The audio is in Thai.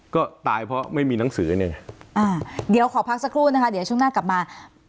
ก็ตายเพราะไม่มีหนังสือเนี่ยอ่าเดี๋ยวขอพักสักครู่นะคะเดี๋ยวช่วงหน้ากลับมา